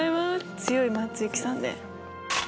強い松雪さんで。